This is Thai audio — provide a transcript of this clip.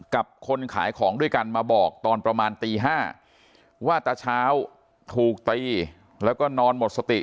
คนขายของด้วยกันมาบอกตอนประมาณตี๕ว่าตาเช้าถูกตีแล้วก็นอนหมดสติ